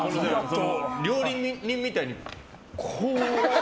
料理人みたいに、こう。